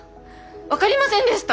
分かりませんでした？